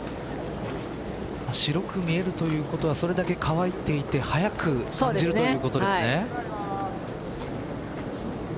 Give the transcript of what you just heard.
白く見えるということはそれだけ乾いていて速く感じるということですね。